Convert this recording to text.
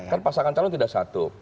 kan pasangan calon tidak satu